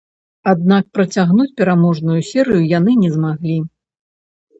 Аднак працягнуць пераможную серыю яны не змаглі.